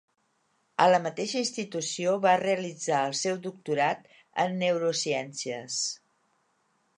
A la mateixa institució va realitzar el seu doctorat en neurociències.